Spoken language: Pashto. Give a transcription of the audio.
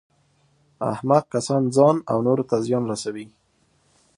احمق کسان ځان او نورو ته زیان رسوي.